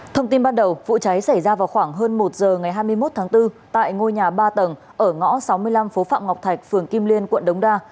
thông tin ban đầu vụ cháy xảy ra vào khoảng hơn một giờ ngày hai mươi một tháng bốn tại ngôi nhà ba tầng ở ngõ sáu mươi năm phố phạm ngọc thạch phường kim liên quận đống đa